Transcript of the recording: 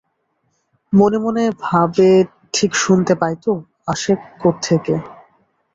মনে মনে ভাবে-ঠিক শুনতে পায় তো, আসে কোখোকে!